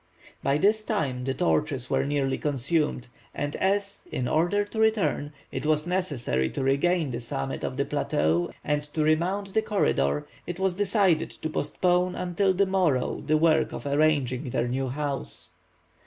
By this time the torches were nearly consumed, and as, in order to return, it was necessary to regain the summit of the plateau and to remount the corridor, it was decided to postpone until the morrow the work of arranging their new home.